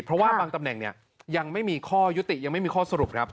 เพราะว่าบางตำแหน่งเนี่ยยังไม่มีข้อยุติยังไม่มีข้อสรุปครับ